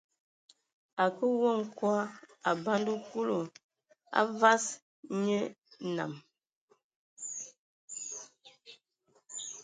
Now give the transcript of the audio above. A kǝə we nkog, a banda Kulu, a vas nye enam.